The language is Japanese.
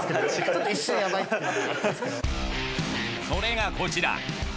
それがこちら。